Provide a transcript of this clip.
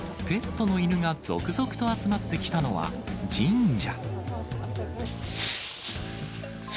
ペットの犬が続々と集まってきたのは、神社。